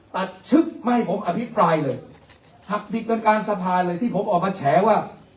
ชึกไม่ให้ผมอภิปรายเลยหักดิกดังกลางสภาเลยที่ผมออกมาแฉว่า